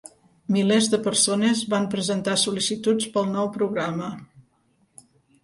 Milers de persones van presentar sol·licituds per al nou programa.